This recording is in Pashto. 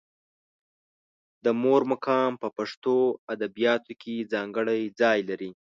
د مور مقام په پښتو ادبیاتو کې ځانګړی ځای لري.